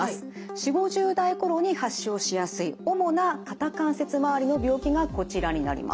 ４０５０代頃に発症しやすい主な肩関節まわりの病気がこちらになります。